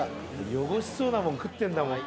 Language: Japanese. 汚しそうなもん食ってんだもん。